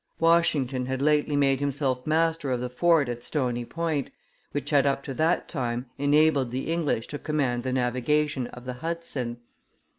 Washington had lately made himself master of the fort at Stony Point, which had up to that time enabled the English to command the navigation of the Hudson.